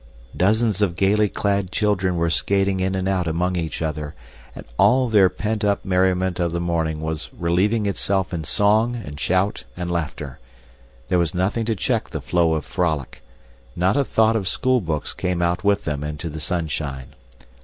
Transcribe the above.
Dozens of gaily clad children were skating in and out among each other, and all their pent up merriment of the morning was relieving itself in song and shout and laughter. There was nothing to check the flow of frolic. Not a thought of schoolbooks came out with them into the sunshine.